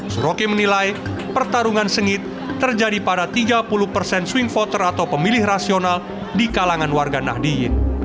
suroki menilai pertarungan sengit terjadi pada tiga puluh persen swing voter atau pemilih rasional di kalangan warga nahdiyin